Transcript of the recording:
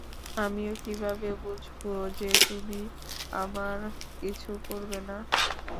আমিও কিভাবে বুঝবো যে তুমি আমার কিছু করবে না?